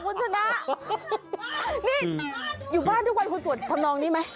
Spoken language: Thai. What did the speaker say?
คุณชนะนี่อยู่บ้านทุกวันคุณสวดทำนองนี้ไหม